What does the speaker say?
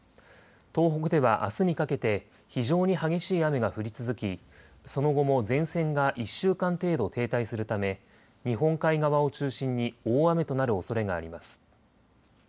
東北ではあすにかけて非常に激しい雨が降り続きその後も前線が１週間程度停滞するため日本海側を中心に大雨となるおそれがあります。